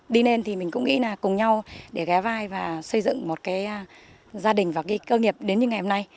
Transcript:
đi lên thì mình cũng nghĩ là cùng nhau để ghé vai và xây dựng một cái gia đình và cái cơ nghiệp đến như ngày hôm nay